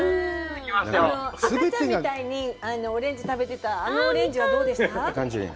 赤ちゃんみたいにオレンジ食べてた、あのオレンジはどうでしたか。